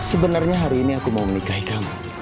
sebenarnya hari ini aku mau menikahi kamu